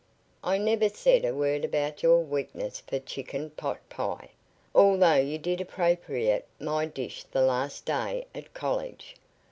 I never said a word about your weakness for chicken potpie, although you did appropriate my dish the last day at college."